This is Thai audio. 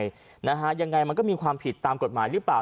ยังไงนะฮะยังไงมันก็มีความผิดตามกฎหมายหรือเปล่า